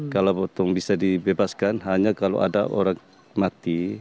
kalau potong bisa dibebaskan hanya kalau ada orang mati